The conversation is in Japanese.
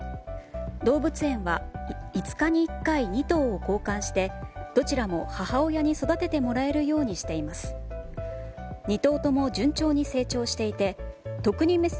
動物園は、５日に１回２頭を交換してどちらも母親に育ててもらえるようにしています。